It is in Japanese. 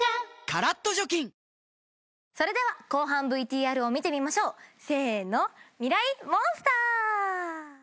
カラッと除菌それでは後半ＶＴＲを見てみましょうせーのミライ☆モンスター！